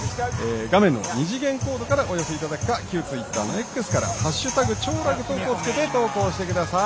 画面の二次元コードからお寄せいただくか旧ツイッターのＸから「＃超ラグトーク」をつけて投稿してください。